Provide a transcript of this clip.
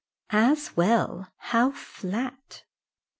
"As well! how flat!"